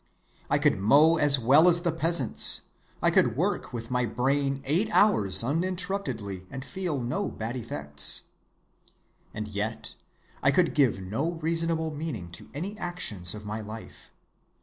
I could mow as well as the peasants, I could work with my brain eight hours uninterruptedly and feel no bad effects. "And yet I could give no reasonable meaning to any actions of my life.